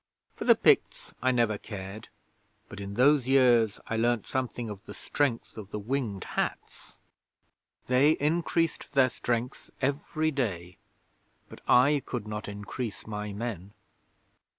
For the Picts I never cared, but in those years I learned something of the strength of the Winged Hats. They increased their strength every day, but I could not increase my men.